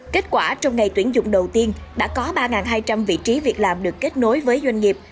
kết quả trong ngày tuyển dụng đầu tiên đã có ba hai trăm linh vị trí việc làm được kết nối với doanh nghiệp